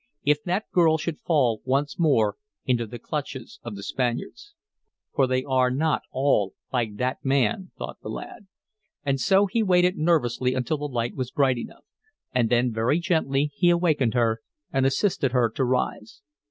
If that girl should fall once more into the clutches of the Spaniards. "For they are not all like that man," thought the lad. And so he waited nervously until the light was bright enough. And then very gently he awakened her and assisted her to rise.